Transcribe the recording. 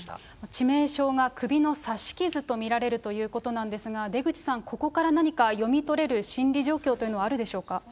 致命傷が首の刺し傷と見られるということなんですが、出口さん、ここから何か読み取れる心理状況というのはあるでしょうか。